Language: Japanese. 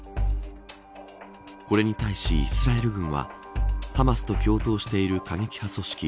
これに対しイスラエル軍はハマスと共闘している過激派組織